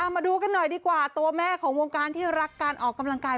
มาดูกันหน่อยดีกว่าตัวแม่ของวงการที่รักการออกกำลังกาย